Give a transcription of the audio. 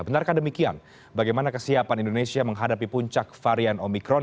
benarkah demikian bagaimana kesiapan indonesia menghadapi puncak varian omikron